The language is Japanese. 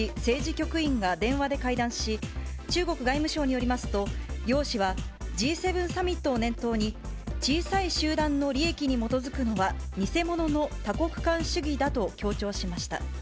局員が電話で会談し、中国外務省によりますと、楊氏はＧ７サミットを念頭に、小さい集団の利益に基づくのは偽物の多国間主義だと強調しました。